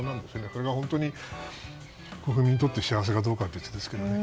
これが本当に国民にとって幸せかどうかは別ですけどね。